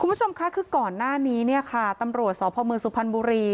คุณผู้ชมค่ะคือก่อนหน้านี้เนี่ยค่ะตำรวจสพมสุพรรณบุรี